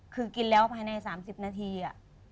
คือกินแล้วภายในสามสิบนาทีอะ